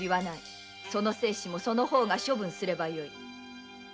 その誓紙もその方が処分すればよい。